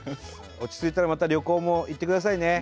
落ち着いたらまた旅行も行ってくださいね。